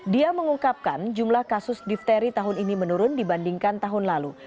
dia mengungkapkan jumlah kasus difteri tahun ini menurun dibandingkan tahun lalu